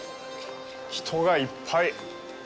人がいっぱい。